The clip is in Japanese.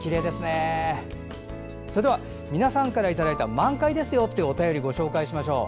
それでは皆さんからいただいた満開ですよというお便りご紹介しましょう。